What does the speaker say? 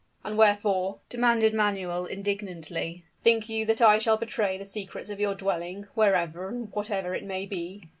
"And wherefore?" demanded Manuel, indignantly. "Think you that I shall betray the secrets of your dwelling, wherever and whatever it may be?"